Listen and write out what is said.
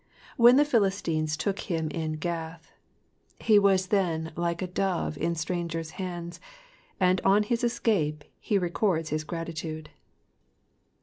When the Philistines took him in Gath. He was then Uke a dove in strangers* hands, and on his escape lie records his gratitude.